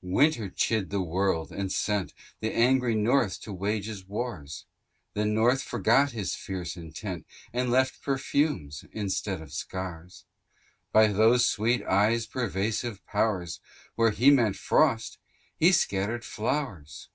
Winter chid the world, and sent The angry North to wage his wars: The North forgot his fierce intent, And left perfumes, instead of scars: By those sweet eyes' persuasive powers, Where he meant frosts, he scattered flowers.